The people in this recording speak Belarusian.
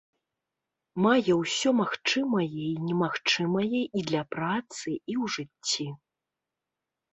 Мае ўсё магчымае і немагчымае і для працы, і ў жыцці.